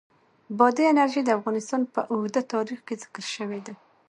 بادي انرژي د افغانستان په اوږده تاریخ کې ذکر شوې ده.